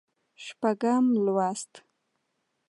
شپږم لوست